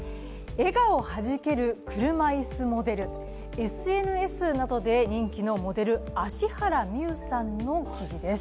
笑顔はじける車いすモデル、ＳＮＳなどで人気のモデル、葦原海さんの記事です。